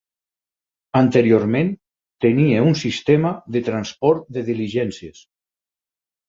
Anteriorment tenia un sistema de transport de diligències.